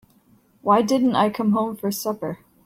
Why didn't I come home for supper?